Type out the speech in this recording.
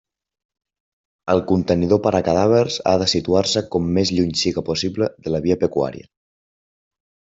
El contenidor per a cadàvers ha de situar-se com més lluny siga possible de la via pecuària.